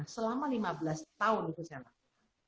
selama lima belas tahun itu saya lakukan